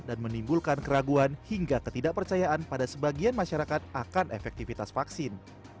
dan menimbulkan keraguan hingga ketidakpercayaan pada sebagian masyarakat akan efektivitas vaksin